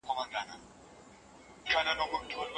غریبو خلکو ته باید خدمات وړاندې سي.